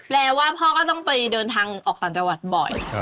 ว่าพ่อก็ต้องไปเดินทางออกต่างจังหวัดบ่อย